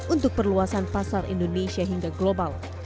untuk perluasan pasar indonesia hingga global